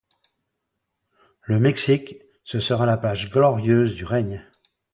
Le Mexique, ce sera la page glorieuse du règne.